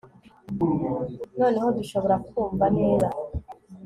noneho dushobora kumva neza